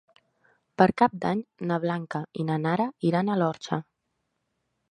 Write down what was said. Per Cap d'Any na Blanca i na Nara iran a l'Orxa.